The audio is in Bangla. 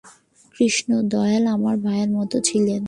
কৃষ্ণদয়াল আমার ভাইয়ের মতো ছিলেন।